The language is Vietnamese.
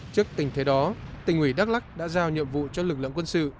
trước tình thế đó tỉnh ủy đắk lắc đã giao nhiệm vụ cho lực lượng quân sự